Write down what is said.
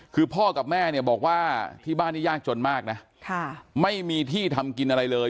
คือพ่อกับแม่เนี่ยบอกว่าที่บ้านนี้ยากจนมากนะไม่มีที่ทำกินอะไรเลย